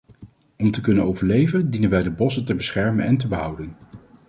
Om te kunnen overleven dienen wij de bossen te beschermen en te behouden.